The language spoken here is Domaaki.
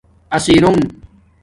اسیرنُݣ